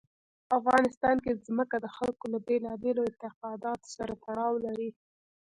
افغانستان کې ځمکه د خلکو له بېلابېلو اعتقاداتو سره تړاو لري.